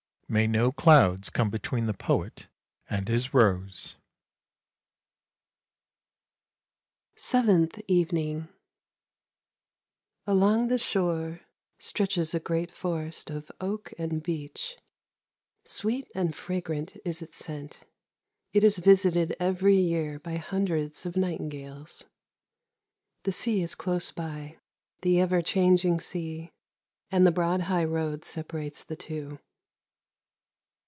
May no clouds come between the poet and his rose ! SEVENTH EVENING " Along the shore stretches a great forest of oak and beech; sweet and fragrant is its scent. It is visited every year by hundreds of nightingales. The sea is close by, the ever changing sea, and the broad high road separates the two.